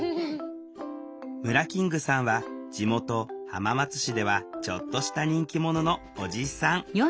ムラキングさんは地元浜松市ではちょっとした人気者のおじさん。